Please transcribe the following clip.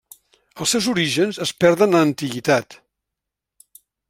Els seus orígens es perden en l'antiguitat.